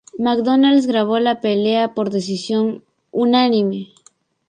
MacDonald ganó la pelea por decisión unánime.